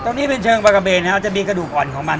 ตรงนี้เป็นเชิงปะกะเป่นจะมีกระดูกอ่อนของมัน